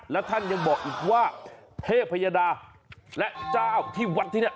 แล้วท่านยังบอกอีกว่าเทพยดาและเจ้าที่วัดที่นี่